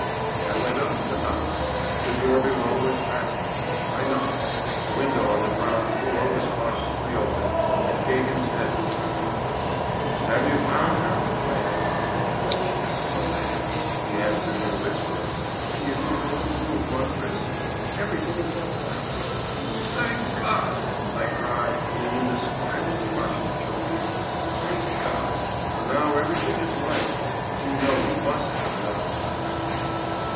I went up to the house. The door below was fastened. I knocked. A window on the ground floor was cautiously opened, and Gagin's head appeared. 'Have you found her?' I asked. 'She has come back,' he answered in a whisper. 'She is in her own room undressing. Everything is all right.' 'Thank God!' I cried, in an indescribable rush of joy. 'Thank God! now everything is right. But you know we must have another talk.